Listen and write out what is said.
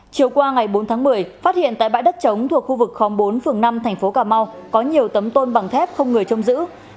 chiều qua ngày bốn tháng một mươi phát hiện tại bãi đất trống thuộc khu vực bốn phường năm tp cà mau có nhiều tấm tôn bằng thép không người trông giữ